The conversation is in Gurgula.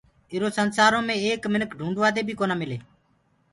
ايٚرو سنسآرو مي ايسآ مِنک ڍوٚنٚڊوادي بيٚ ڪونآ ملي۔